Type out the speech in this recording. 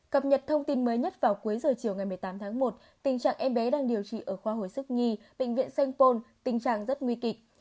cập nhật thông tin mới nhất vào cuối giờ chiều ngày một mươi tám tháng một tình trạng em bé đang điều trị ở khoa hồi sức nhi bệnh viện sanh pôn tình trạng rất nguy kịch